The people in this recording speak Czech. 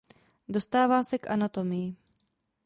Dostává se k anatomii.